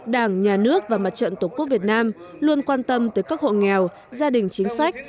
đảng nhà nước và mặt trận tổ quốc việt nam luôn quan tâm tới các hộ nghèo gia đình chính sách